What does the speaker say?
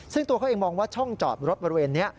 ซึ่งตัวเขาเองมองว่าช่องจอดรถบริเวณนี้